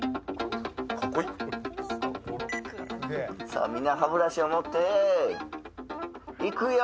さあ、みんな歯ブラシを持って、いくよ。